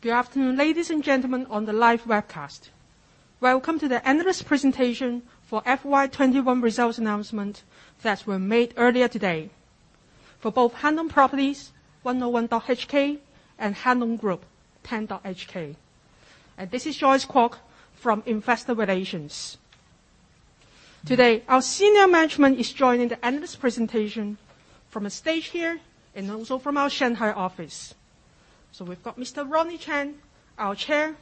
Good afternoon, ladies and gentlemen, on the live webcast. Welcome to the analyst presentation for FY 2021 results announcement that were made earlier today for both Hang Lung Properties, 101.HK, and Hang Lung Group, 10.HK. This is Joyce Kwock from Investor Relations. Today, our senior management is joining the analyst presentation from a stage here and also from our Shanghai office. We've got Mr. Ronnie Chan, our Chair,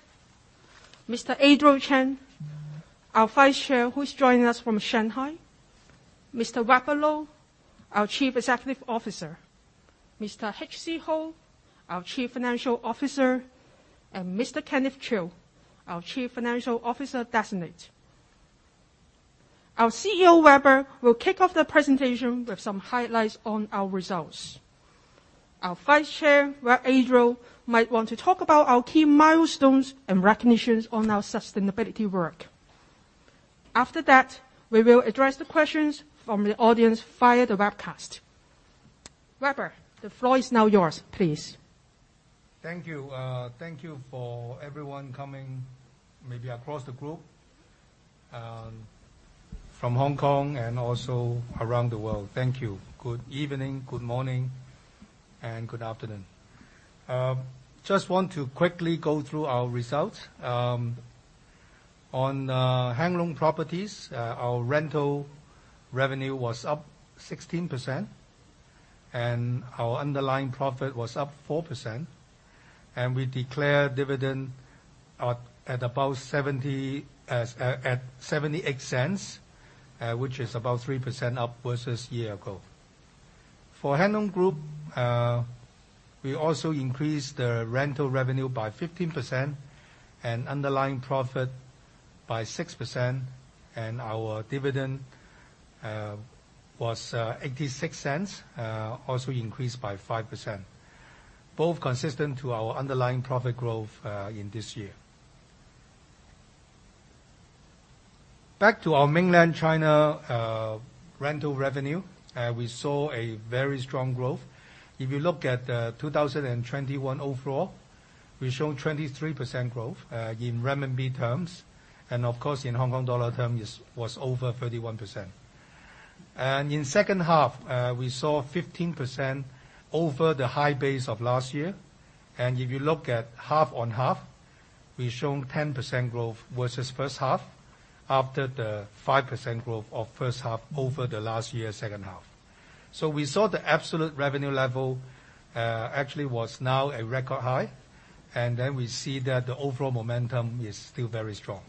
Mr. Adriel Chan, our Vice Chair, who is joining us from Shanghai, Mr. Weber Lo, our Chief Executive Officer, Mr. H.C. Ho, our Chief Financial Officer, and Mr. Kenneth Chiu, our Chief Financial Officer Designate. Our CEO, Weber, will kick off the presentation with some highlights on our results. Our Vice Chair, Adriel, might want to talk about our key milestones and recognitions on our sustainability work. After that, we will address the questions from the audience via the webcast. Weber, the floor is now yours, please. Thank you. Thank you for everyone coming, maybe across the group, from Hong Kong and also around the world. Thank you. Good evening, good morning, and good afternoon. Just want to quickly go through our results. On Hang Lung Properties, our rental revenue was up 16%, and our underlying profit was up 4%, and we declare dividend at about 0.78, which is about 3% up versus year ago. For Hang Lung Group, we also increased the rental revenue by 15% and underlying profit by 6%, and our dividend was 0.86, also increased by 5%, both consistent to our underlying profit growth in this year. Back to our mainland China rental revenue, we saw a very strong growth. If you look at 2021 overall, we show 23% growth in renminbi terms. Of course, in Hong Kong dollar terms, it was over 31%. In second half, we saw 15% over the high base of last year. If you look at half on half, we're showing 10% growth versus first half after the 5% growth of first half over the last year second half. We saw the absolute revenue level actually was now a record high, and then we see that the overall momentum is still very strong.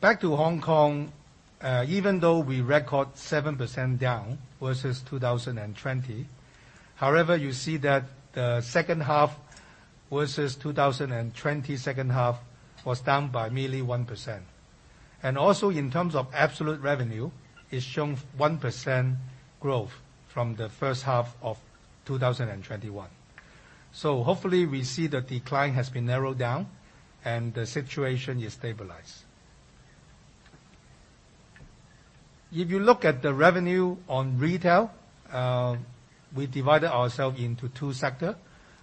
Back to Hong Kong, even though we record 7% down versus 2020, however, you see that the second half versus 2020 second half was down by merely 1%. Also in terms of absolute revenue, it's showing 1% growth from the first half of 2021. Hopefully we see the decline has been narrowed down and the situation is stabilized. If you look at the revenue on retail, we divided ourselves into two sector.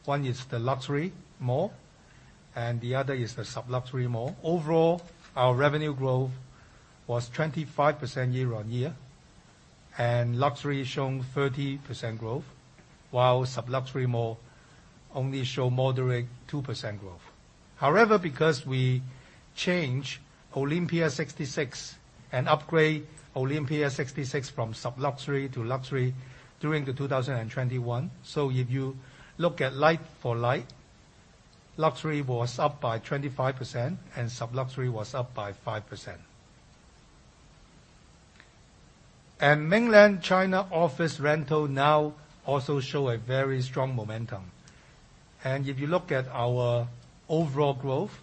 One is the luxury mall and the other is the sub-luxury mall. Overall, our revenue growth was 25% year-on-year, and luxury showing 30% growth, while sub-luxury mall only show moderate 2% growth. However, because we change Olympia 66 and upgrade Olympia 66 from sub-luxury to luxury during the 2021, so if you look at like-for-like, luxury was up by 25% and sub-luxury was up by 5%. Mainland China office rental now also show a very strong momentum. If you look at our overall growth,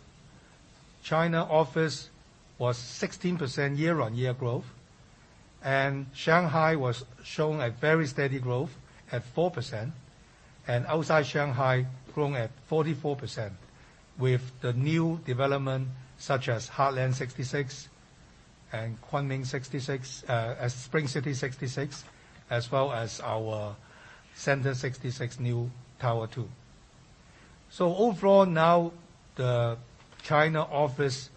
China office was 16% year-on-year growth, and Shanghai was showing a very steady growth at 4%, and outside Shanghai growing at 44% with the new development such as Heartland 66 and Spring City 66, as well as our Center 66 new Tower Two. Overall now, the China office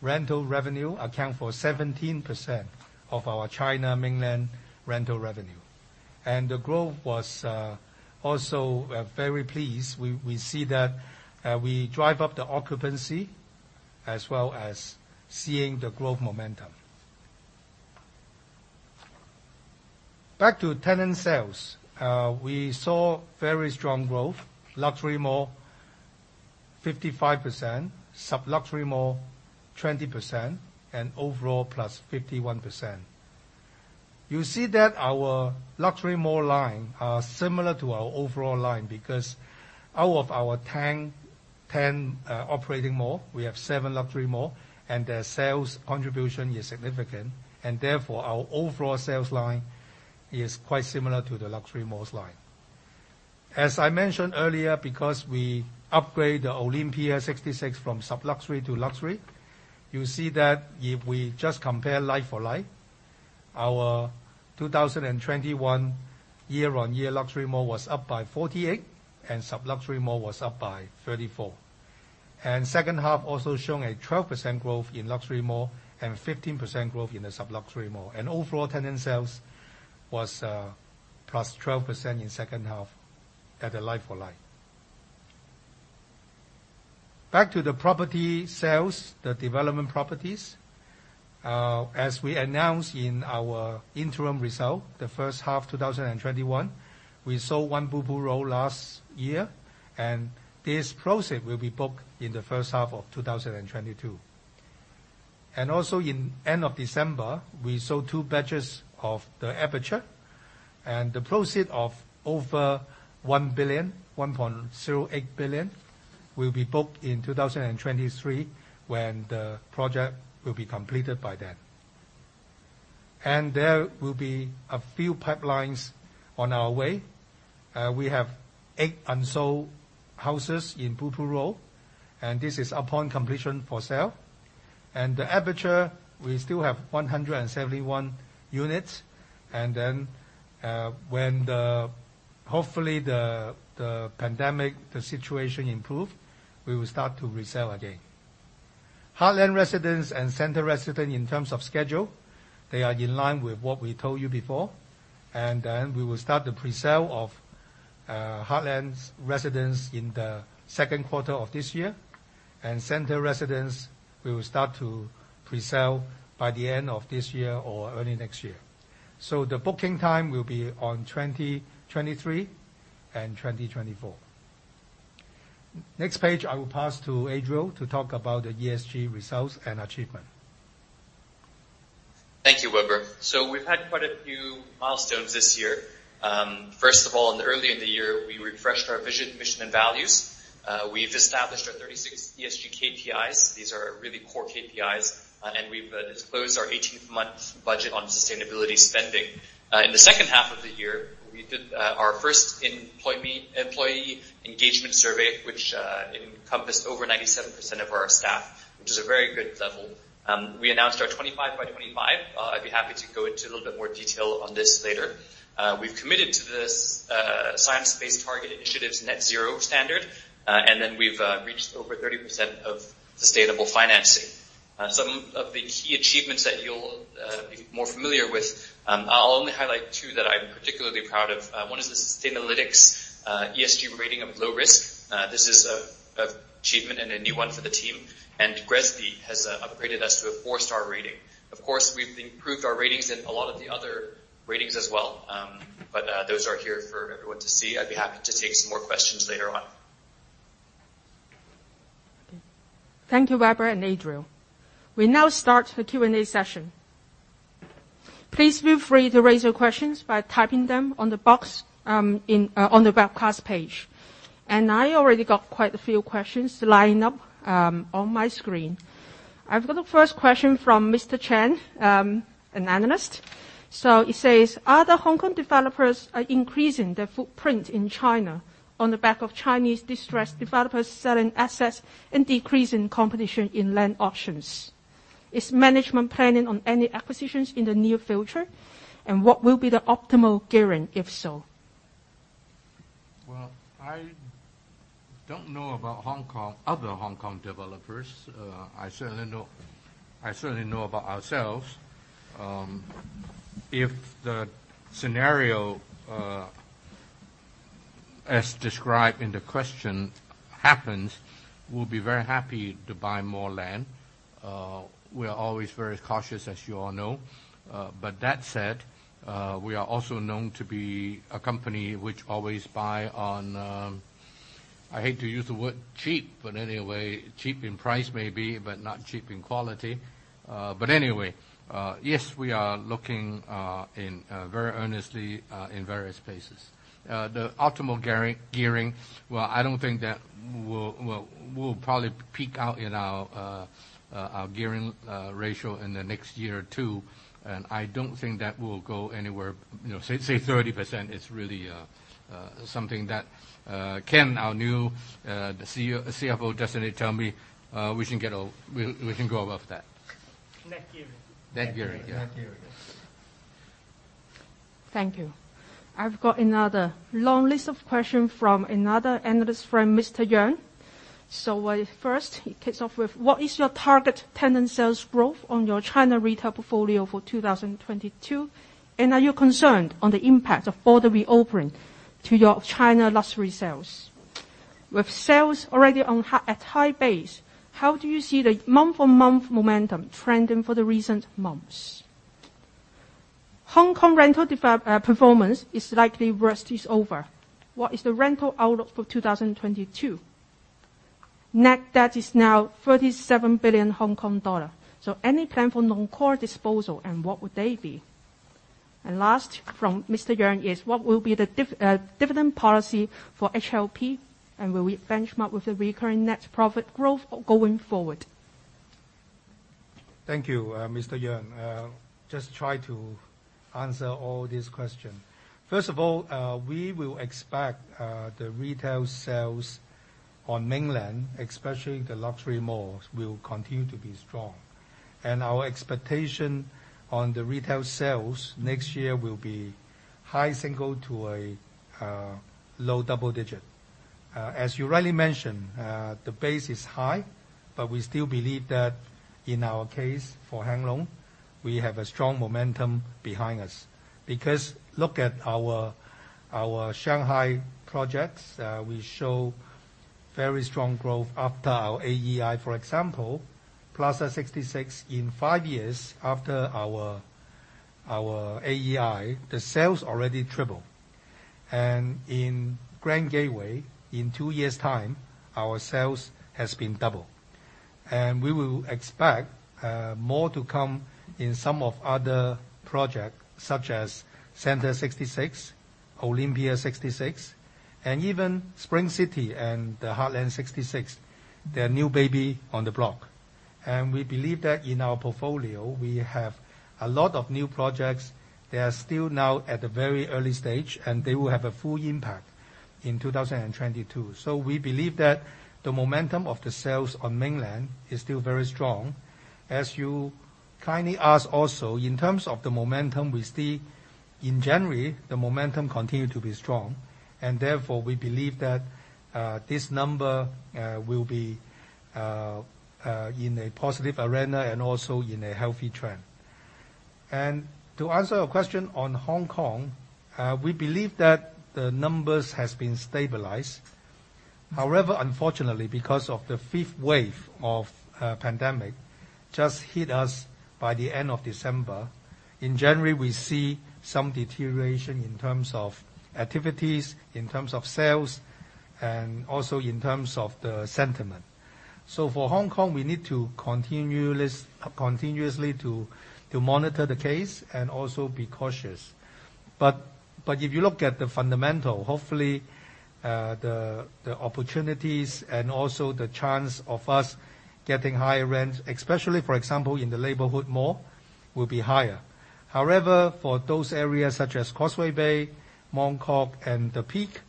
rental revenue accounts for 17% of our China mainland rental revenue. We were also very pleased. We see that we drive up the occupancy as well as seeing the growth momentum. Back to tenant sales. We saw very strong growth. Luxury mall 55%, sub-luxury mall 20%, and overall plus 51%. You see that our luxury mall line are similar to our overall line because out of our 10 operating mall, we have 7 luxury mall and their sales contribution is significant and therefore our overall sales line is quite similar to the luxury malls line. As I mentioned earlier, because we upgrade the Olympia 66 from sub-luxury to luxury, you see that if we just compare like-for-like. Our 2021 year-on-year luxury mall was up by 48%, and sub-luxury mall was up by 34%. Second half also showing a 12% growth in luxury mall and 15% growth in the sub-luxury mall. Overall tenant sales was +12% in second half at a like-for-like. Back to the property sales, the development properties. As we announced in our interim results, the first half 2021, we sold one Blue Pool Road last year, and these proceeds will be booked in the first half of 2022. Also at the end of December, we sold two batches of THE APERTURE, and the proceeds of over 1 billion, 1.08 billion will be booked in 2023 when the project will be completed by then. There will be a few pipelines on our way. We have eight unsold houses in Blue Pool Road, and this is upon completion for sale. THE APERTURE, we still have 171 units. Then, hopefully the pandemic situation improve, we will start to resell again. Heartland Residences and Center Residences in terms of schedule, they are in line with what we told you before. We will start the presale of Heartland Residences in the second quarter of this year. Center Residences, we will start to presale by the end of this year or early next year. The booking time will be on 2023 and 2024. Next page, I will pass to Adriel to talk about the ESG results and achievement. Thank you, Weber. We've had quite a few milestones this year. First of all, earlier in the year, we refreshed our vision, mission, and values. We've established our 36 ESG KPIs. These are really core KPIs. We've disclosed our 18 month budget on sustainability spending. In the second half of the year, we did our first employee engagement survey, which encompassed over 97% of our staff, which is a very good level. We announced our 25 x 25. I'd be happy to go into a little bit more detail on this later. We've committed to this Science Based Targets initiative net zero standard, and then we've reached over 30% of sustainable financing. Some of the key achievements that you'll be more familiar with, I'll only highlight two that I'm particularly proud of. One is the Sustainalytics ESG rating of low risk. This is an achievement and a new one for the team. GRESB has upgraded us to a four-star rating. Of course, we've improved our ratings in a lot of the other ratings as well. Those are here for everyone to see. I'd be happy to take some more questions later on. Thank you, Weber and Adriel. We now start the Q&A session. Please feel free to raise your questions by typing them on the box on the webcast page. I already got quite a few questions lined up on my screen. I've got the first question from Mr. Chen, an analyst. He says, "Other Hong Kong developers are increasing their footprint in China on the back of Chinese distressed developers selling assets and decreasing competition in land auctions. Is management planning on any acquisitions in the near future? And what will be the optimal gearing, if so? Well, I don't know about other Hong Kong developers. I certainly know about ourselves. If the scenario as described in the question happens, we'll be very happy to buy more land. We are always very cautious, as you all know. That said, we are also known to be a company which always buy on. I hate to use the word cheap, but anyway, cheap in price maybe, but not cheap in quality. Anyway, yes, we are looking very earnestly in various places. The optimal gearing, well, I don't think that we'll probably peak out in our gearing ratio in the next year or two, and I don't think that we'll go anywhere, you know, say 30% is really something that Ken, our new CFO designate tell me we can go above that. Net gearing. Net gearing, yeah. Net gearing. Thank you. I've got another long list of questions from another analyst friend, Mr. Young. First he kicks off with, "What is your target tenant sales growth on your China retail portfolio for 2022? And are you concerned on the impact of border reopening to your China luxury sales? With sales already on high, at high base, how do you see the month-on-month momentum trending for the recent months? Hong Kong rental development performance is likely the worst is over. What is the rental outlook for 2022? Net debt is now 37 billion Hong Kong dollar. Any plan for non-core disposal, and what would they be?" Last from Mr. Young is, "What will be the dividend policy for HLP, and will we benchmark with the recurring net profit growth going forward? Thank you, Mr. Young. Just try to answer all these questions. First of all, we will expect the retail sales on Mainland, especially the luxury malls, will continue to be strong. Our expectation on the retail sales next year will be high single- to low double-digit. As you rightly mentioned, the base is high, but we still believe that in our case, for Hang Lung, we have a strong momentum behind us. Because look at our Shanghai projects. We show very strong growth after our AEI. For example, Plaza 66 in five years after our AEI, the sales already tripled. In Grand Gateway, in two years' time, our sales has been doubled. We will expect more to come in some of other projects, such as Center 66, Olympia 66, and even Spring City 66 and the Heartland 66, the new baby on the block. We believe that in our portfolio, we have a lot of new projects. They are still now at the very early stage, and they will have a full impact in 2022. We believe that the momentum of the sales on Mainland is still very strong. As you kindly asked also, in terms of the momentum we see, in January, the momentum continued to be strong, and therefore we believe that this number will be in a positive arena and also in a healthy trend. To answer your question on Hong Kong, we believe that the numbers has been stabilized. However, unfortunately, because of the fifth wave of pandemic just hit us by the end of December, in January we see some deterioration in terms of activities, in terms of sales, and also in terms of the sentiment. For Hong Kong, we need to continue continuously to monitor the case and also be cautious. If you look at the fundamental, hopefully, the opportunities and also the chance of us getting higher rents, especially for example, in the neighborhood mall, will be higher. However, for those areas such as Causeway Bay, Mong Kok, and The Peak,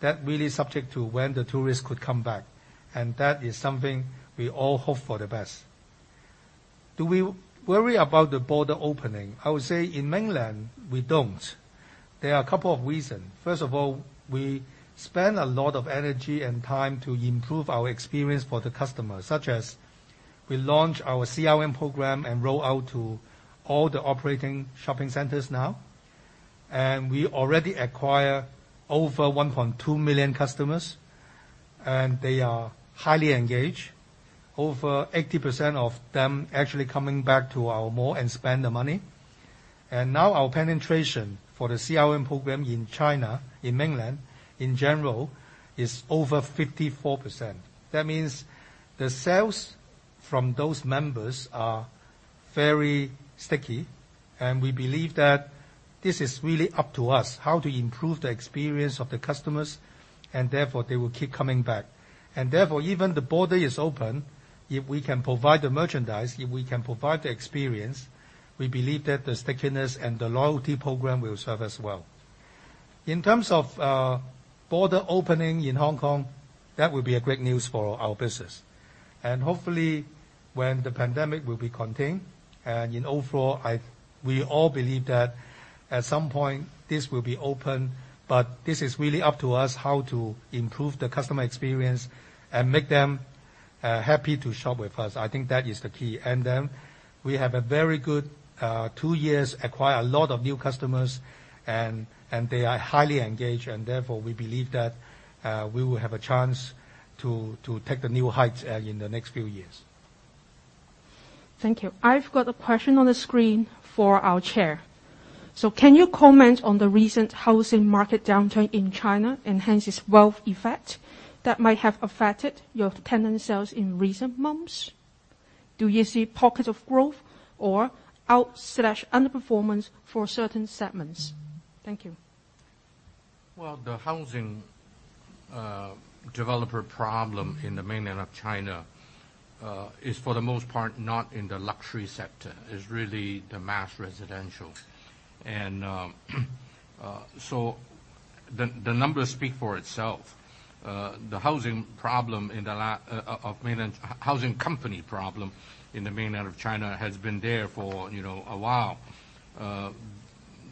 that really is subject to when the tourists could come back, and that is something we all hope for the best. Do we worry about the border opening? I would say in Mainland, we don't. There are a couple of reasons. First of all, we spend a lot of energy and time to improve our experience for the customer, such as we launch our CRM program and roll out to all the operating shopping centers now. We already acquire over 1.2 million customers, and they are highly engaged. Over 80% of them actually coming back to our mall and spend the money. Now our penetration for the CRM program in China, in Mainland, in general, is over 54%. That means the sales from those members are very sticky, and we believe that this is really up to us, how to improve the experience of the customers, and therefore they will keep coming back. Therefore, even the border is open, if we can provide the merchandise, if we can provide the experience, we believe that the stickiness and the loyalty program will serve us well. In terms of border opening in Hong Kong, that would be a great news for our business. Hopefully, when the pandemic will be contained, and in overall, we all believe that at some point this will be open. This is really up to us how to improve the customer experience and make them happy to shop with us. I think that is the key. Then we have a very good two years, acquire a lot of new customers, and they are highly engaged, and therefore, we believe that we will have a chance to take the new heights in the next few years. Thank you. I've got a question on the screen for our chair. Can you comment on the recent housing market downturn in China and hence its wealth effect that might have affected your tenant sales in recent months? Do you see pocket of growth or out/underperformance for certain segments? Thank you. Well, the housing developer problem in mainland China is for the most part not in the luxury sector. It's really the mass residential. The numbers speak for itself. The housing company problem in mainland China has been there, you know, a while.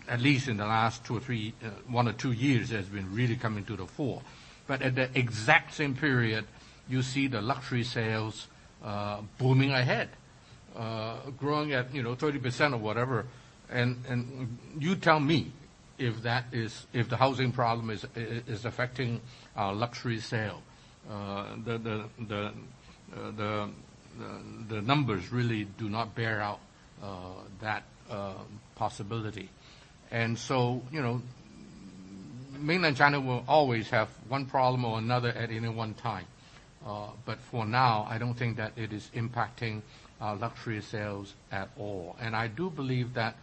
At least in the last two or three, one or two years, it's been really coming to the fore. At the exact same period, you see the luxury sales booming ahead, growing at, you know, 30% or whatever. You tell me if the housing problem is affecting our luxury sale. The numbers really do not bear out that possibility. You know, Mainland China will always have one problem or another at any one time. For now, I don't think that it is impacting our luxury sales at all. I do believe that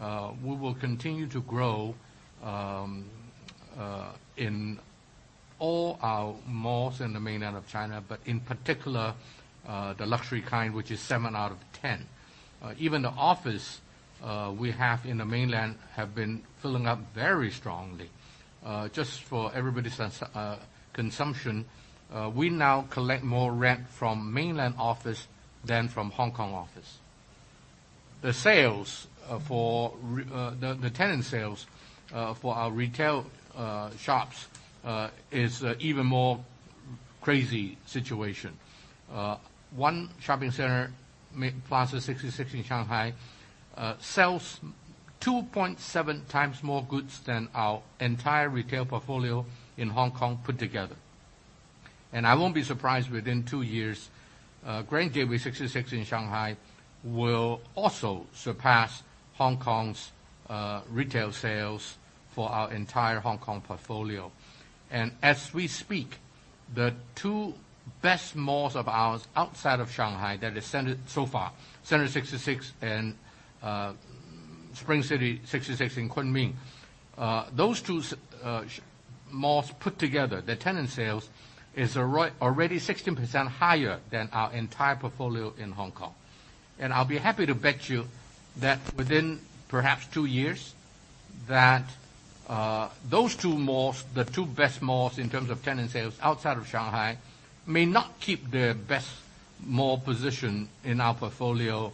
we will continue to grow in all our malls in the Mainland of China, but in particular, the luxury kind, which is seven out of ten. Even the office We have in the mainland been filling up very strongly. Just for everybody's consumption, we now collect more rent from mainland office than from Hong Kong office. The sales for the tenant sales for our retail shops is even more crazy situation. One shopping center, Plaza 66 in Shanghai, sells 2.7x more goods than our entire retail portfolio in Hong Kong put together. I won't be surprised within two years, Grand Gateway 66 in Shanghai will also surpass Hong Kong's retail sales for our entire Hong Kong portfolio. As we speak, the two best malls of ours outside of Shanghai that is Center so far, Center 66 and Spring City 66 in Kunming. Those two malls put together, the tenant sales is already 16% higher than our entire portfolio in Hong Kong. I'll be happy to bet you that within perhaps two years, that those two malls, the two best malls in terms of tenant sales outside of Shanghai, may not keep their best mall position in our portfolio,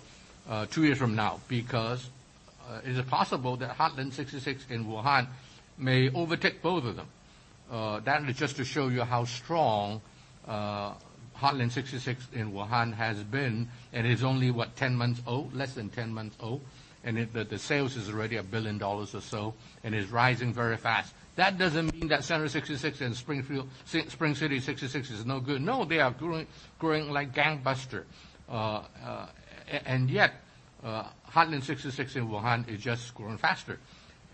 two years from now. Is it possible that Heartland 66 in Wuhan may overtake both of them? That is just to show you how strong Heartland 66 in Wuhan has been, and is only 10 months old, less than 10 months old, and the sales is already $1 billion or so, and is rising very fast. That doesn't mean that Center 66 and Spring City 66 is no good. They are growing like gangbusters. Yet Heartland 66 in Wuhan is just growing faster.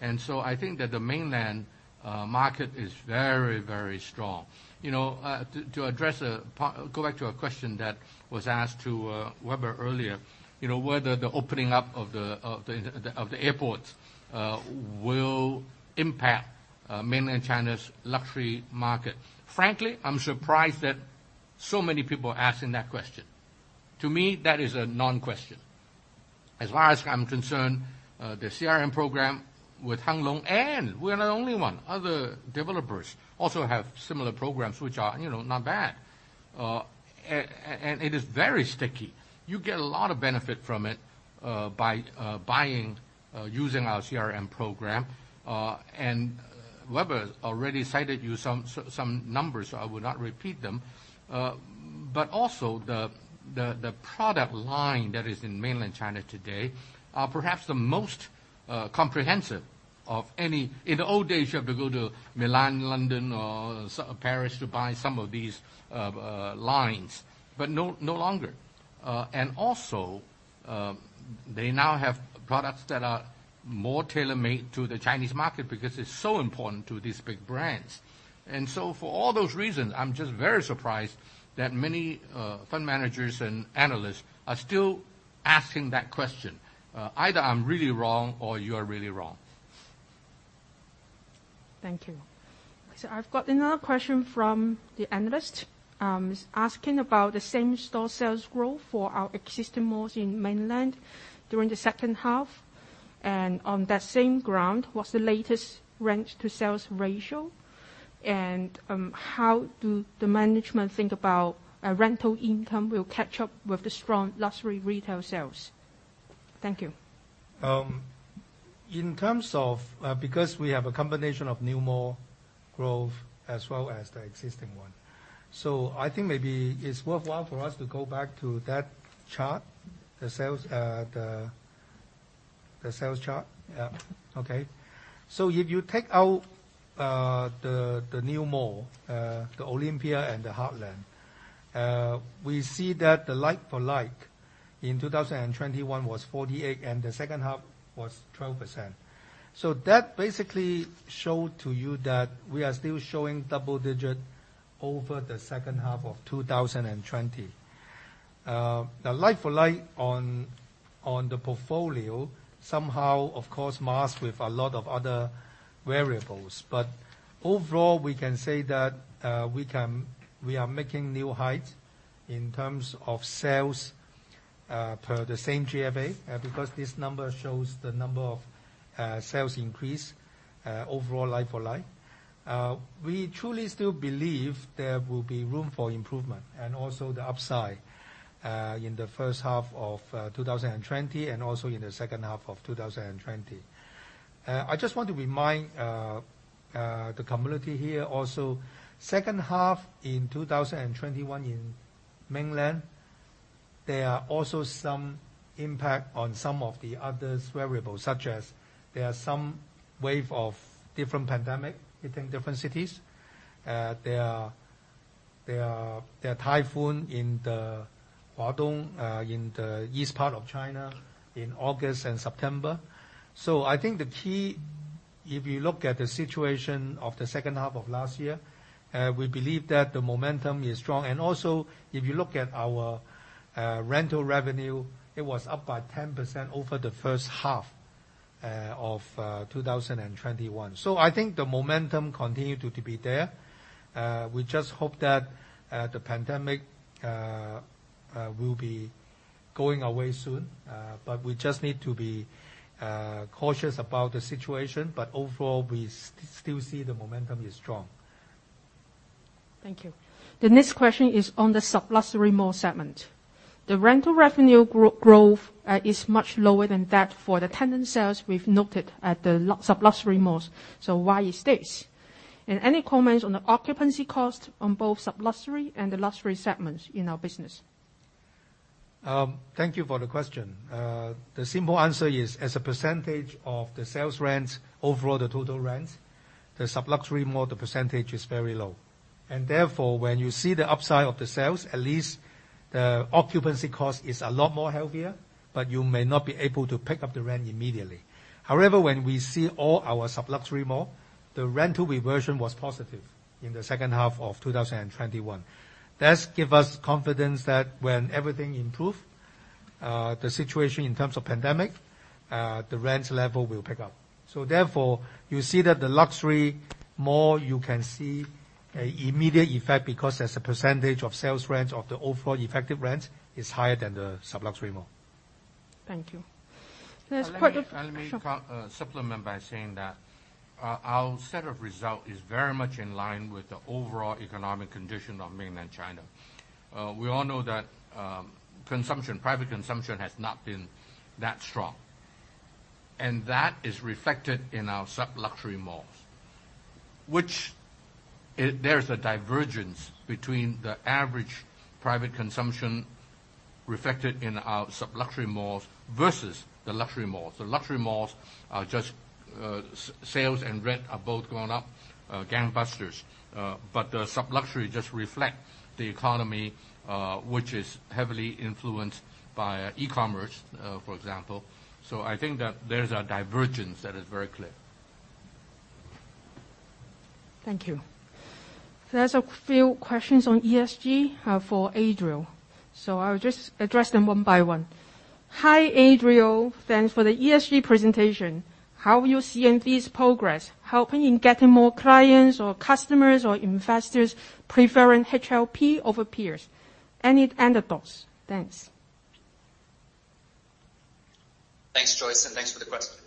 I think that the mainland market is very, very strong. Go back to a question that was asked to Weber earlier. Whether the opening up of the airports will impact mainland China's luxury market. Frankly, I'm surprised that so many people are asking that question. To me, that is a non-question. As far as I'm concerned, the CRM program with Hang Lung, and we're not only one, other developers also have similar programs which are not bad. It is very sticky. You get a lot of benefit from it by using our CRM program. Weber already cited you some numbers, so I would not repeat them. Also the product line that is in mainland China today are perhaps the most comprehensive of any. In the old days, you have to go to Milan, London or Paris to buy some of these lines, but no longer. Also, they now have products that are more tailor-made to the Chinese market because it's so important to these big brands. For all those reasons, I'm just very surprised that many fund managers and analysts are still asking that question. Either I'm really wrong or you're really wrong. Thank you. I've got another question from the analyst is asking about the same-store sales growth for our existing malls in mainland during the second half. On that same ground, what's the latest rent to sales ratio? How do the management think about a rental income will catch up with the strong luxury retail sales? Thank you. In terms of because we have a combination of new mall growth as well as the existing one. I think maybe it's worthwhile for us to go back to that chart, the sales chart. Yeah. Okay. If you take out the new mall, the Olympia and the Heartland, we see that the like-for-like in 2021 was 48, and the second half was 12%. That basically show to you that we are still showing double-digit over the second half of 2020. The like-for-like on the portfolio, somehow of course masked with a lot of other variables. Overall, we can say that we are making new heights in terms of sales per the same GFA because this number shows the number of sales increase overall like-for-like. We truly still believe there will be room for improvement and also the upside in the first half of 2020 and also in the second half of 2020. I just want to remind the community here also. Second half in 2021 in mainland, there are also some impact on some of the other variables, such as there are some waves of the pandemic hitting different cities. There are typhoons in Guangdong in the east part of China in August and September. I think the key, if you look at the situation of the second half of last year, we believe that the momentum is strong. Also, if you look at our rental revenue, it was up by 10% over the first half. of 2021. I think the momentum continued to be there. We just hope that the pandemic will be going away soon. We just need to be cautious about the situation. Overall, we still see the momentum is strong. Thank you. The next question is on the sub-luxury mall segment. The rental revenue growth is much lower than that for the tenant sales we've noted at the sub-luxury malls. Why is this? And any comments on the occupancy cost on both sub-luxury and the luxury segments in our business? Thank you for the question. The simple answer is, as a percentage of the sales rent, overall the total rent, the sub-luxury mall, the percentage is very low. When you see the upside of the sales, at least the occupancy cost is a lot more healthier, but you may not be able to pick up the rent immediately. However, when we see all our sub-luxury mall, the rental reversion was positive in the second half of 2021. That give us confidence that when everything improve, the situation in terms of pandemic, the rent level will pick up. You see that the luxury mall, you can see a immediate effect because as a percentage of sales rent of the overall effective rent is higher than the sub-luxury mall. Thank you. Let me supplement by saying that our set of results is very much in line with the overall economic condition of Mainland China. We all know that consumption, private consumption has not been that strong, and that is reflected in our sub-luxury malls. There's a divergence between the average private consumption reflected in our sub-luxury malls versus the luxury malls. The luxury malls are just sales and rent are both going up, gangbusters. The sub-luxury just reflect the economy, which is heavily influenced by e-commerce, for example. I think that there's a divergence that is very clear. Thank you. There's a few questions on ESG for Adriel, so I'll just address them one by one. Hi, Adriel. Thanks for the ESG presentation. How are you seeing these progress helping in getting more clients or customers or investors preferring HLP over peers? Any anecdotes? Thanks. Thanks, Joyce, and thanks for the question.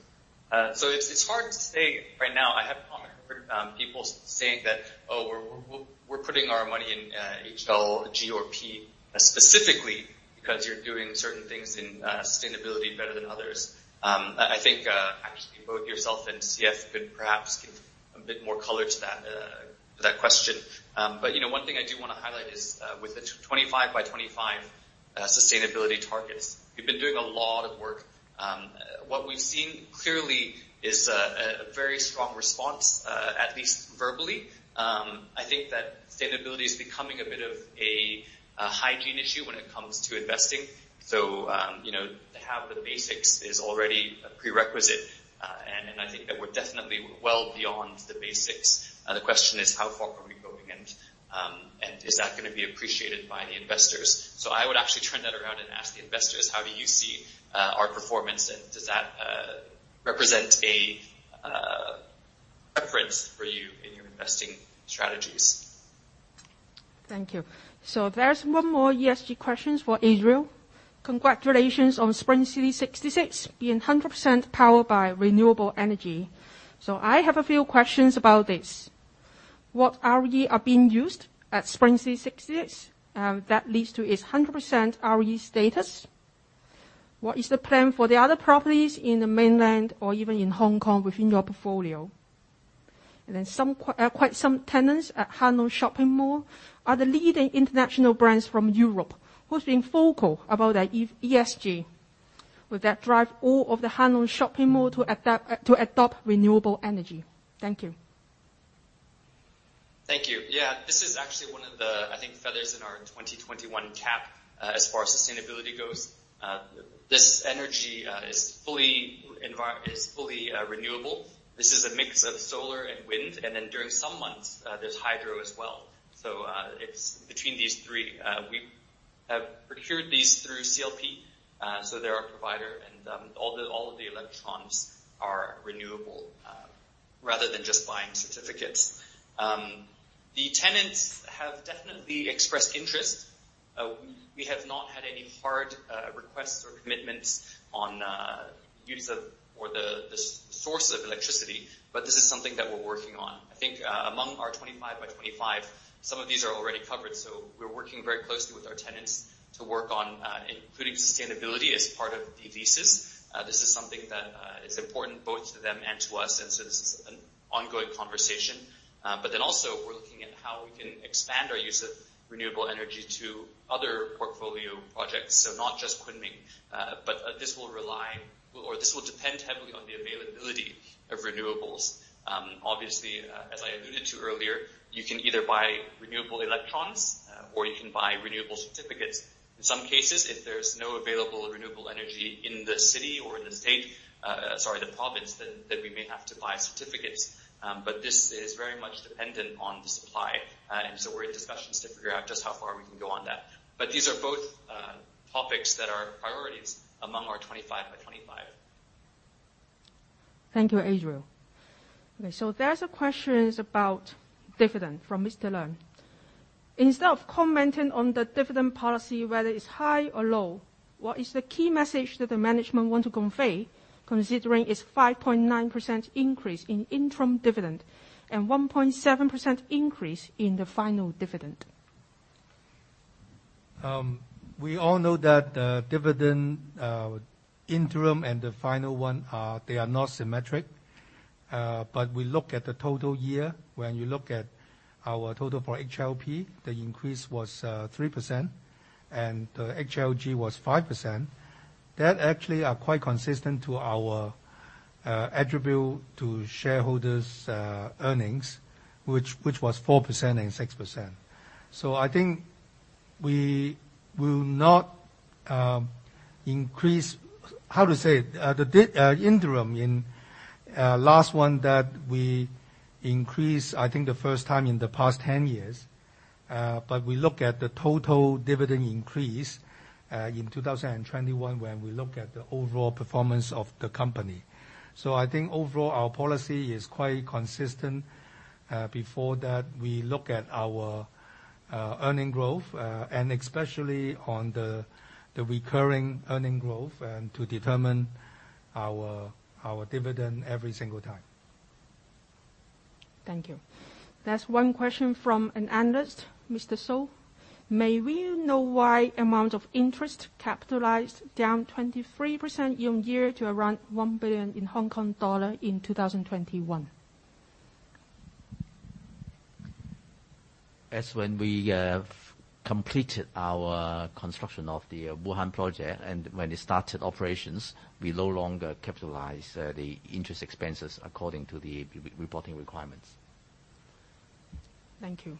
It's hard to say right now. I haven't heard people saying that, "Oh, we're putting our money in HLG or HLP specifically because you're doing certain things in sustainability better than others." I think actually both yourself and CF could perhaps give a bit more color to that question. But you know, one thing I do wanna highlight is with the 25 x 25 sustainability targets, we've been doing a lot of work. What we've seen clearly is a very strong response at least verbally. I think that sustainability is becoming a bit of a hygiene issue when it comes to investing. You know, to have the basics is already a prerequisite. I think that we're definitely well beyond the basics. The question is how far are we going in? Is that gonna be appreciated by the investors? I would actually turn that around and ask the investors, "How do you see our performance, and does that represent a preference for you in your investing strategies? Thank you. There's one more ESG question for Adriel. Congratulations on Spring City 66 being 100% powered by renewable energy. I have a few questions about this. What RE are being used at Spring City 66 that leads to its 100% RE status? What is the plan for the other properties in the Mainland or even in Hong Kong within your portfolio? Quite some tenants at Hang Lung Shopping Mall are the leading international brands from Europe who's been vocal about their ESG. Will that drive all of the Hang Lung Shopping Mall to adopt renewable energy? Thank you. Thank you. Yeah. This is actually one of the, I think, feathers in our 2021 cap, as far as sustainability goes. This energy is fully renewable. This is a mix of solar and wind, and then during some months, there's hydro as well. It's between these three. We have procured these through CLP, so they're our provider. All of the electrons are renewable, rather than just buying certificates. The tenants have definitely expressed interest. We have not had any hard requests or commitments on use of or the source of electricity, but this is something that we're working on. I think, among our 25 x 25, some of these are already covered, so we're working very closely with our tenants to work on including sustainability as part of the leases. This is something that is important both to them and to us, and so this is an ongoing conversation. Also we're looking at how we can expand our use of renewable energy to other portfolio projects, so not just Kunming. This will rely or this will depend heavily on the availability of renewables. Obviously, as I alluded to earlier, you can either buy renewable electrons or you can buy renewable certificates. In some cases, if there's no available renewable energy in the city or in the state, sorry, the province, then we may have to buy certificates. This is very much dependent on the supply. We're in discussions to figure out just how far we can go on that. These are both topics that are priorities among our 25 x 25. Thank you, Adriel. Okay, there's a question about dividend from Mr. Leung. Instead of commenting on the dividend policy, whether it's high or low, what is the key message that the management want to convey considering it's 5.9% increase in interim dividend and 1.7% increase in the final dividend? We all know that the dividend, interim and the final one are not symmetric. We look at the total year. When you look at our total for HLP, the increase was 3%, and the HLG was 5%. That actually are quite consistent to our attributable to shareholders earnings, which was 4% and 6%. I think we will not increase the interim. In last one that we increased, I think the first time in the past 10 years. We look at the total dividend increase in 2021, when we look at the overall performance of the company. I think overall, our policy is quite consistent. Before that, we look at our earnings growth, and especially on the recurring earnings growth to determine our dividend every single time. Thank you. There's one question from an analyst, Mr. So. May we know why amount of interest capitalized down 23% year-over-year to around 1 billion in 2021? As when we have completed our construction of the Wuhan project and when it started operations, we no longer capitalize the interest expenses according to the reporting requirements. Thank you.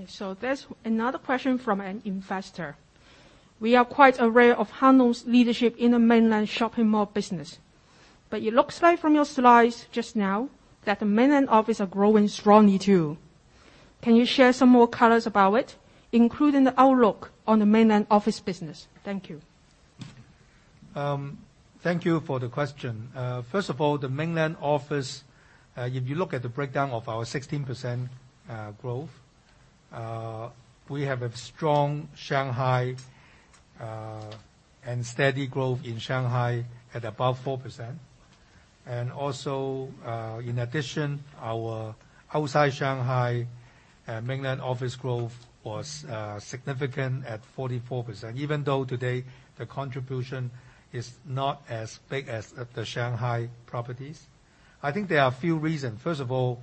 Okay, there's another question from an investor. We are quite aware of Hang Lung's leadership in the mainland shopping mall business. It looks like from your slides just now that the mainland offices are growing strongly too. Can you share some more colors about it, including the outlook on the mainland office business? Thank you. Thank you for the question. First of all, the mainland office, if you look at the breakdown of our 16% growth, we have a strong Shanghai and steady growth in Shanghai at above 4%. Also, in addition, our outside Shanghai mainland office growth was significant at 44%. Even though today the contribution is not as big as the Shanghai properties. I think there are a few reasons. First of all,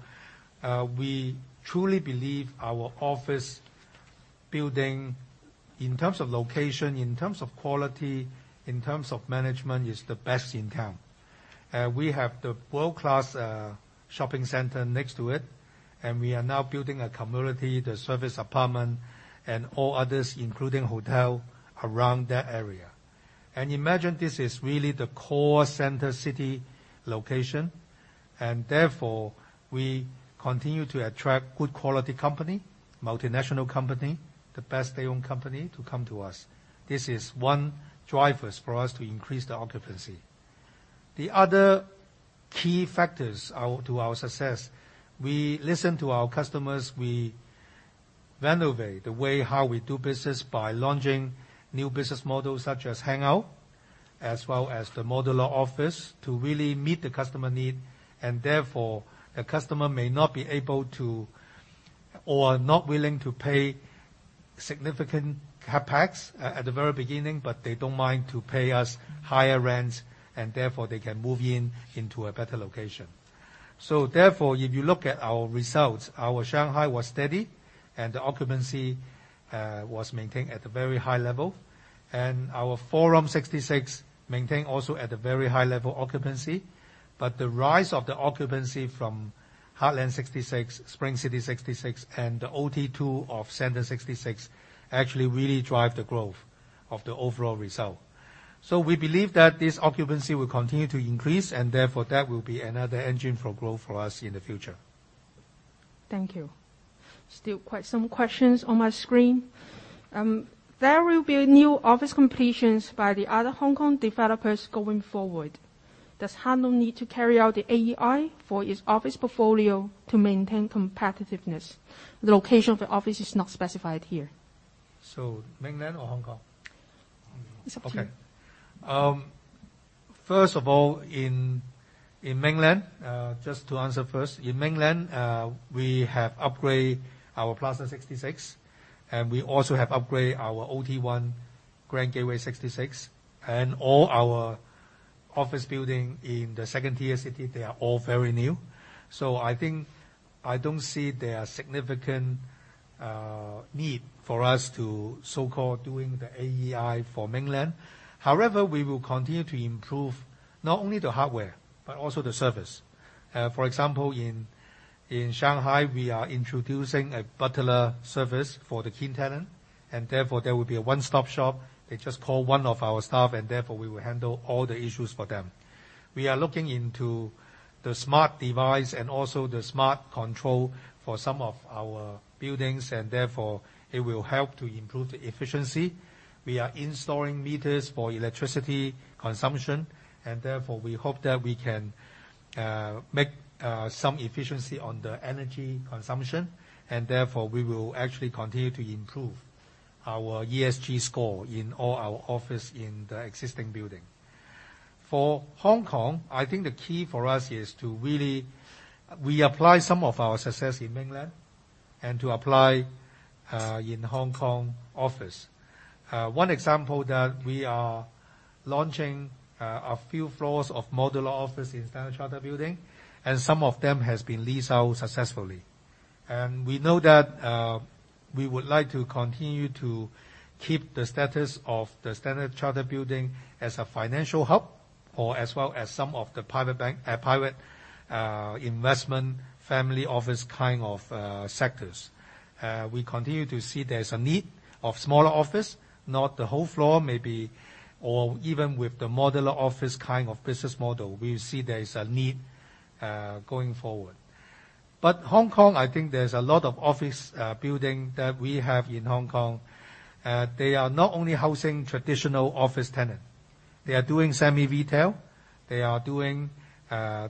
we truly believe our office building, in terms of location, in terms of quality, in terms of management, is the best in town. We have the world-class shopping center next to it, and we are now building a community, the service apartment, and all others, including hotel, around that area. Imagine this is really the core center city location, and therefore, we continue to attract good quality company, multinational company, the best domestic company to come to us. This is one driver for us to increase the occupancy. The other key factors to our success, we listen to our customers. We renovate the way how we do business by launching new business models such as HANGOUT, as well as the modular office to really meet the customer need and therefore the customer may not be able to or not willing to pay significant CapEx at the very beginning, but they don't mind to pay us higher rents, and therefore they can move in into a better location. Therefore, if you look at our results, our Shanghai was steady and the occupancy was maintained at a very high level. Our Forum 66 maintain also at a very high level occupancy. The rise of the occupancy from Heartland 66, Spring City 66, and the Office Tower two of Center 66 actually really drive the growth of the overall result. We believe that this occupancy will continue to increase, and therefore that will be another engine for growth for us in the future. Thank you. Still quite some questions on my screen. There will be new office completions by the other Hong Kong developers going forward. Does Hang Lung need to carry out the AEI for its office portfolio to maintain competitiveness? The location of the office is not specified here. Mainland or Hong Kong? It's up to you. Okay. First of all, in mainland, just to answer first. In mainland, we have upgrade our Plaza 66, and we also have upgrade our Office Tower 1 Grand Gateway 66. All our office building in the second-tier city, they are all very new. I think I don't see there are significant need for us to so-called doing the AEI for mainland. However, we will continue to improve not only the hardware, but also the service. For example, in Shanghai, we are introducing a butler service for the key tenant, and therefore there will be a one-stop shop. They just call one of our staff, and therefore we will handle all the issues for them. We are looking into the smart device and also the smart control for some of our buildings, and therefore it will help to improve the efficiency. We are installing meters for electricity consumption, and therefore we hope that we can make some efficiency on the energy consumption, and therefore we will actually continue to improve our ESG score in all our office in the existing building. For Hong Kong, I think the key for us is to really reapply some of our success in mainland and to apply in Hong Kong office. One example that we are launching a few floors of modular office in Standard Chartered Bank Building, and some of them has been leased out successfully. We know that we would like to continue to keep the status of the Standard Chartered Bank Building as a financial hub or as well as some of the private investment family office kind of sectors. We continue to see there's a need of smaller office, not the whole floor maybe, or even with the modular office kind of business model, we see there is a need, going forward. Hong Kong, I think there's a lot of office, building that we have in Hong Kong. They are not only housing traditional office tenant, they are doing semi retail, they are doing,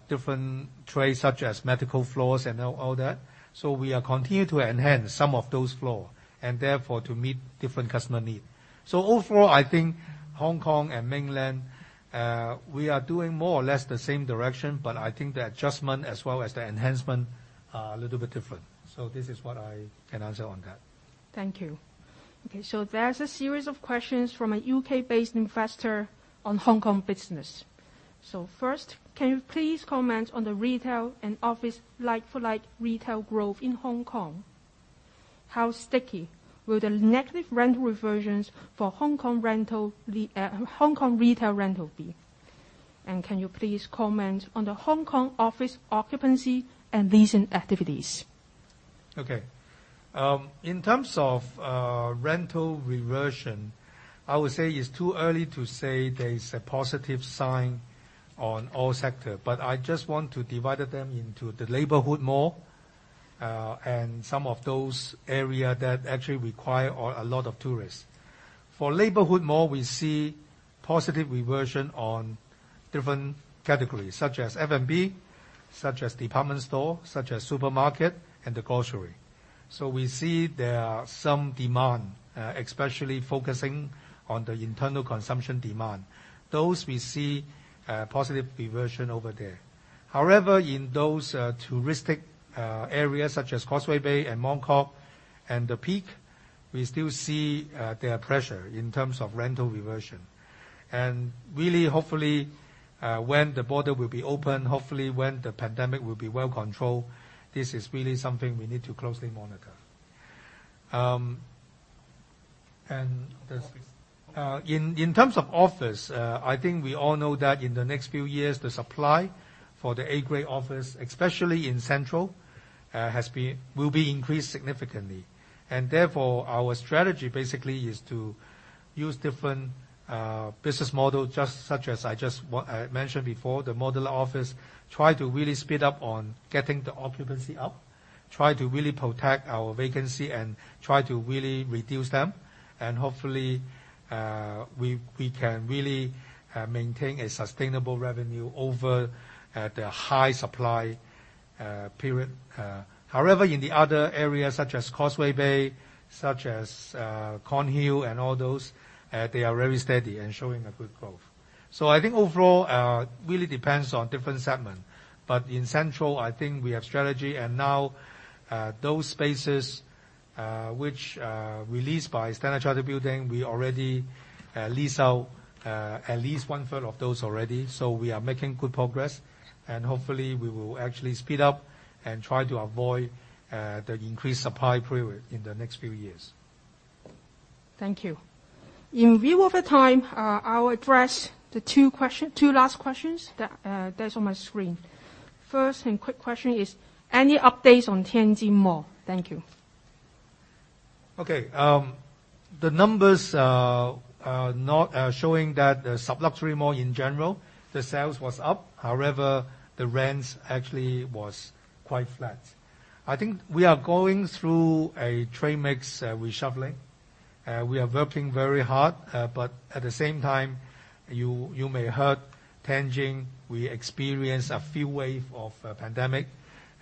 different trades such as medical floors and all that. We are continue to enhance some of those floor, and therefore, to meet different customer need. Overall, I think Hong Kong and mainland, we are doing more or less the same direction, but I think the adjustment as well as the enhancement are a little bit different. This is what I can answer on that. Thank you. Okay, there's a series of questions from a U.K.-based investor on Hong Kong business. First, can you please comment on the retail and office like-for-like retail growth in Hong Kong? How sticky will the negative rent reversions for Hong Kong retail rental be? And can you please comment on the Hong Kong office occupancy and leasing activities? Okay. In terms of rental reversion, I would say it's too early to say there is a positive sign on all sector, but I just want to divided them into the neighborhood mall and some of those area that actually require a lot of tourists. For neighborhood mall, we see positive reversion on different categories, such as F&B, such as department store, such as supermarket and the grocery. So we see there are some demand, especially focusing on the internal consumption demand. Those we see positive reversion over there. However, in those touristic areas such as Causeway Bay and Mong Kok and The Peak, we still see their pressure in terms of rental reversion. Really, hopefully, when the border will be open, hopefully, when the pandemic will be well controlled, this is really something we need to closely monitor. Um, and there's. Office. In terms of office, I think we all know that in the next few years, the supply for the Grade A office, especially in Central, will be increased significantly. Therefore, our strategy basically is to use different business model, just such as I mentioned before, the modular office, try to really speed up on getting the occupancy up, try to really protect our vacancy and try to really reduce them. Hopefully, we can really maintain a sustainable revenue over the high supply period. However, in the other areas such as Causeway Bay, such as Kornhill and all those, they are very steady and showing a good growth. I think overall, really depends on different segment. In Central, I think we have strategy and now, those spaces, which are released by Standard Chartered Bank Building, we already lease out, at least one-third of those already. We are making good progress, and hopefully, we will actually speed up and try to avoid the increased supply period in the next few years. Thank you. In view of the time, I'll address the two last questions that's on my screen. First and quick question is, any updates on Riverside 66? Thank you. Okay. The numbers are not showing that the super-luxury mall in general, the sales was up. However, the rents actually was quite flat. I think we are going through a trade mix reshuffling. We are working very hard, but at the same time, you may heard Tianjin, we experience a few wave of pandemic.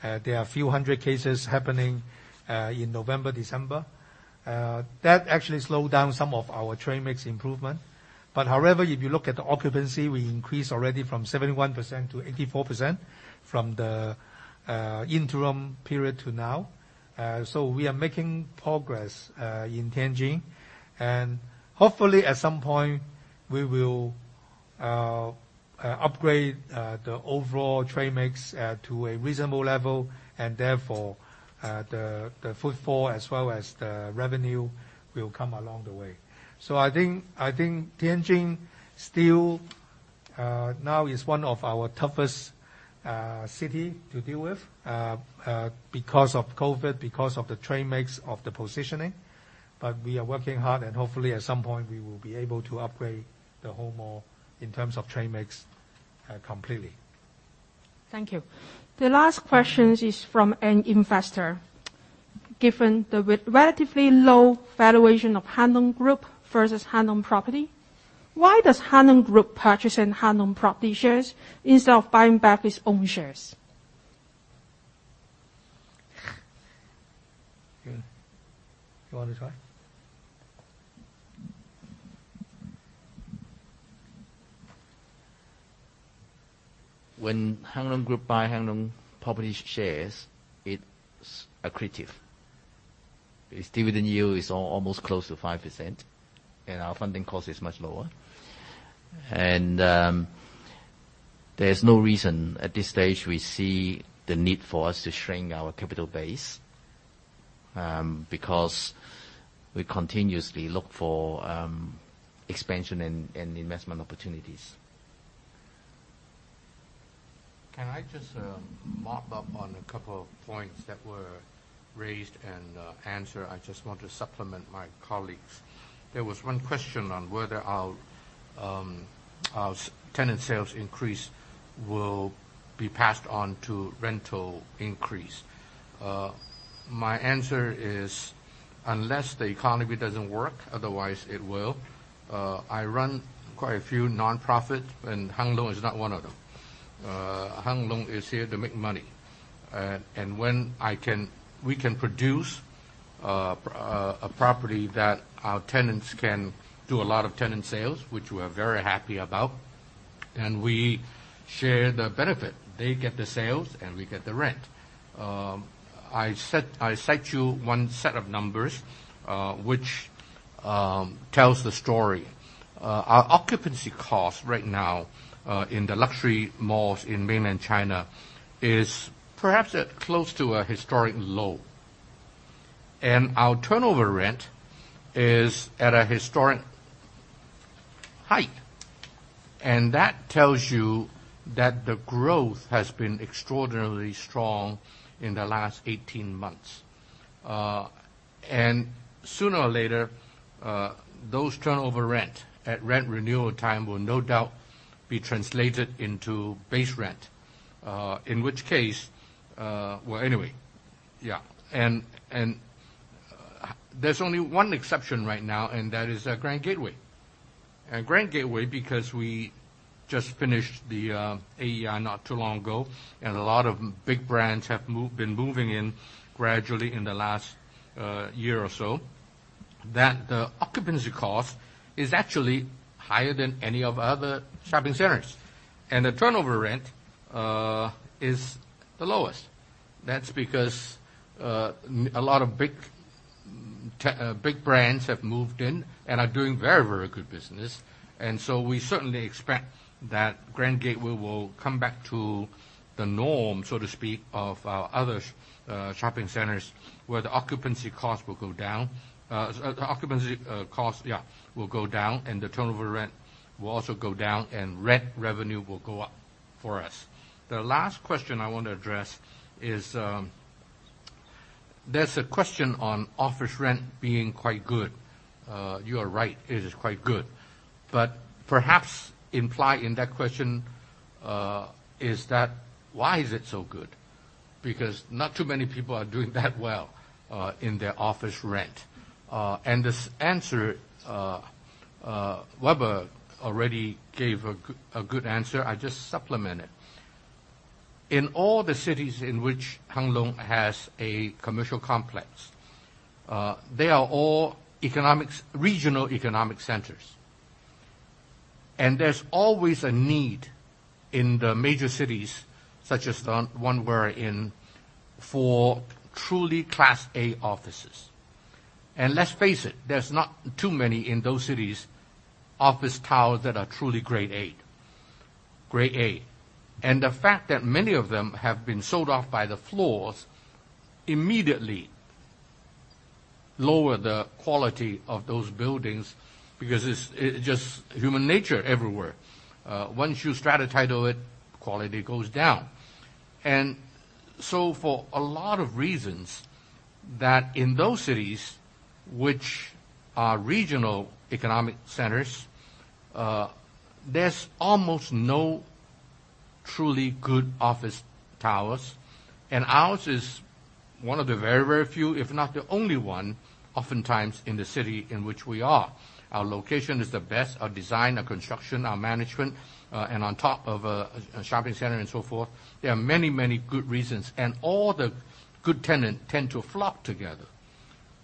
There are a few hundred cases happening in November, December. That actually slowed down some of our trade mix improvement. However, if you look at the occupancy, we increased already from 71% to 84% from the interim period to now. So we are making progress in Tianjin. Hopefully, at some point, we will upgrade the overall trade mix to a reasonable level, and therefore, the footfall as well as the revenue will come along the way. I think Tianjin still now is one of our toughest city to deal with because of COVID, because of the trade mix of the positioning. We are working hard, and hopefully, at some point, we will be able to upgrade the whole mall in terms of trade mix completely. Thank you. The last question is from an investor. Given the relatively low valuation of Hang Lung Group versus Hang Lung Properties, why does Hang Lung Group purchasing Hang Lung Properties shares instead of buying back its own shares? You wanna try? When Hang Lung Group buy Hang Lung Properties shares, it's accretive. Its dividend yield is almost close to 5%, and our funding cost is much lower. There's no reason at this stage we see the need for us to shrink our capital base, because we continuously look for expansion and investment opportunities. Can I just mop up on a couple of points that were raised and answered? I just want to supplement my colleagues. There was one question on whether our tenant sales increase will be passed on to rental increase. My answer is, unless the economy doesn't work, otherwise it will. I run quite a few nonprofit, and Hang Lung is not one of them. Hang Lung is here to make money. We can produce a property that our tenants can do a lot of tenant sales, which we're very happy about, then we share the benefit. They get the sales, and we get the rent. I cite you one set of numbers which tells the story. Our occupancy cost right now in the luxury malls in mainland China is perhaps at close to a historic low. Our turnover rent is at a historic height, and that tells you that the growth has been extraordinarily strong in the last 18 months. Sooner or later, those turnover rent at rent renewal time will no doubt be translated into base rent. In which case, well, anyway, yeah. There's only one exception right now, and that is at Grand Gateway. At Grand Gateway, because we just finished the AEI not too long ago, and a lot of big brands have been moving in gradually in the last year or so, that the occupancy cost is actually higher than any of our other shopping centers. The turnover rent is the lowest. That's because a lot of big brands have moved in and are doing very, very good business. We certainly expect that Grand Gateway will come back to the norm, so to speak, of our other shopping centers, where the occupancy cost will go down. The occupancy cost will go down, and the turnover rent will also go down, and rent revenue will go up for us. The last question I want to address is, there's a question on office rent being quite good. You are right, it is quite good. Perhaps implied in that question is that why is it so good? Because not too many people are doing that well in their office rent. This answer Weber already gave a good answer. I just supplement it. In all the cities in which Hang Lung has a commercial complex, they are all regional economic centers. There's always a need in the major cities, such as the one we're in, for truly Class A offices. Let's face it, there's not too many in those cities, office towers that are truly grade A. The fact that many of them have been sold off by the floors immediately lower the quality of those buildings because it's just human nature everywhere. Once you stratify to it, quality goes down. For a lot of reasons, that in those cities, which are regional economic centers, there's almost no truly good office towers, and ours is one of the very, very few, if not the only one oftentimes in the city in which we are. Our location is the best. Our design, our construction, our management, and on top of a shopping center and so forth, there are many, many good reasons. All the good tenants tend to flock together.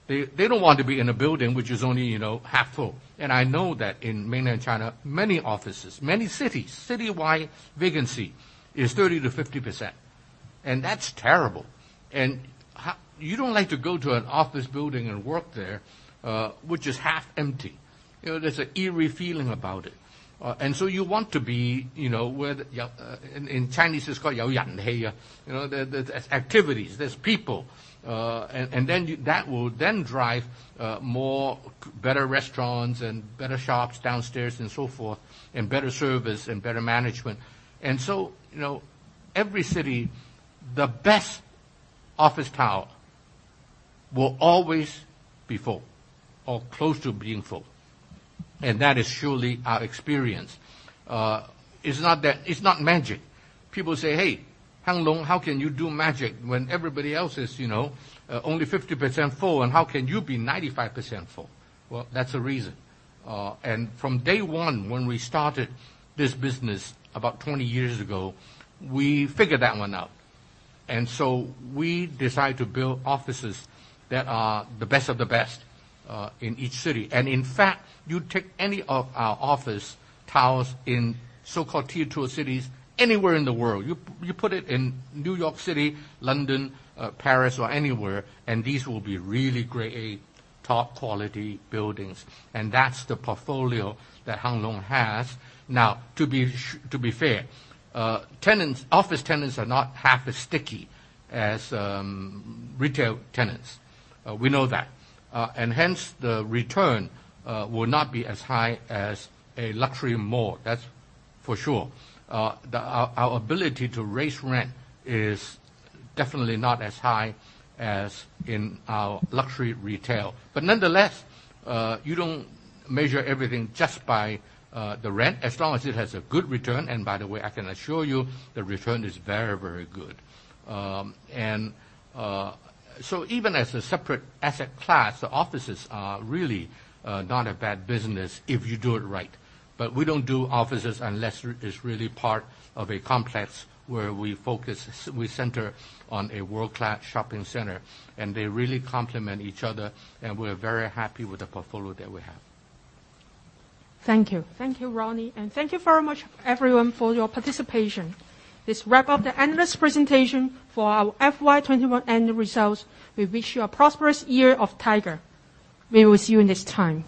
They don't want to be in a building which is only, you know, half full. I know that in mainland China, many offices, many cities, citywide vacancy is 30%-50%, and that's terrible. You don't like to go to an office building and work there, which is half empty. You know, there's an eerie feeling about it. You want to be, you know, where the, in Chinese it's called you know, there's activities, there's people. That will then drive more, better restaurants and better shops downstairs and so forth, and better service and better management. You know, every city, the best office tower will always be full or close to being full, and that is surely our experience. It's not magic. People say, "Hey, Hang Lung, how can you do magic when everybody else is, you know, only 50% full, and how can you be 95% full?" Well, that's the reason. From day one when we started this business about 20 years ago, we figured that one out. We decided to build offices that are the best of the best in each city. In fact, you take any of our office towers in so-called tier two cities anywhere in the world, you put it in New York City, London, Paris, or anywhere, and these will be really Grade A, top quality buildings, and that's the portfolio that Hang Lung has. Now, to be fair, tenants... office tenants are not half as sticky as retail tenants. We know that. And hence, the return will not be as high as a luxury mall. That's for sure. Our ability to raise rent is definitely not as high as in our luxury retail. But nonetheless, you don't measure everything just by the rent, as long as it has a good return. By the way, I can assure you the return is very, very good. Even as a separate asset class, the offices are really not a bad business if you do it right. We don't do offices unless it is really part of a complex where we focus, we center on a world-class shopping center, and they really complement each other, and we're very happy with the portfolio that we have. Thank you. Thank you, Ronnie. Thank you very much everyone for your participation. This wrap up the analyst presentation for our FY 2021 annual results. We wish you a prosperous Year of the Tiger. We will see you next time.